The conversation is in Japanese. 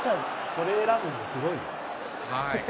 それを選ぶのもすごいな。